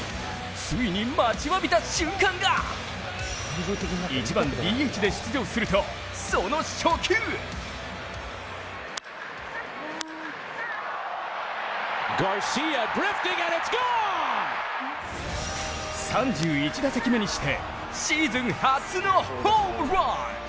ついに待ちわびた瞬間が１番ＤＨで出場すると、その初球３１打席目にしてシーズン初のホームラン！